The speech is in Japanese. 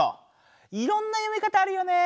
いろんな読み方あるよね。